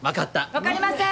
分かりません！